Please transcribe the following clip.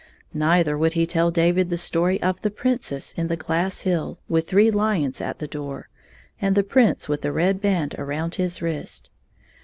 Neither would he tell David the story of the Princess in the Glass Hill with three lions at the door, and the Prince with the red band around his wrist.